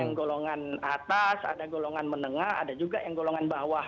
yang golongan atas ada golongan menengah ada juga yang golongan bawah